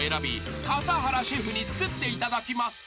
笠原シェフに作っていただきます］